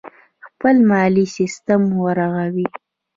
خپل مالي سیستم ورغوي.